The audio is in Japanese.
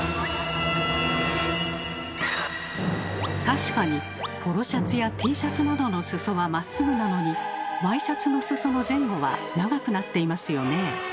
確かにポロシャツやＴシャツなどの裾はまっすぐなのにワイシャツの裾の前後は長くなっていますよね。